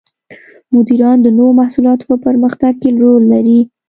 مدیران د نوو محصولاتو په پرمختګ کې رول لري.